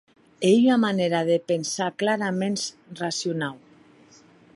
Ei ua manèra de pensar claraments racionau.